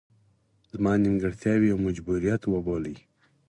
زما نیمګړتیاوې یو مجبوریت وبولي.